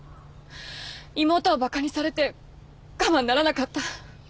妹をバカにされて我慢ならなかった。